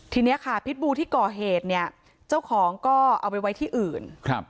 ทีนี้ค่ะพิษบูที่ก่อเหตุเนี่ยเจ้าของก็เอาไปไว้ที่อื่นครับ